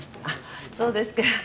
そうですか。